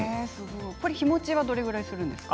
日もちはどれくらいするんですか。